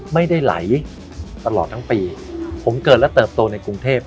ไม่ได้ไหลตลอดทั้งปีผมเกิดและเติบโตในกรุงเทพ